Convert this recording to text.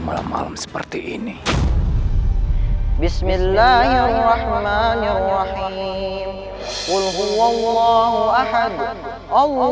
giliran yang ketidak solusi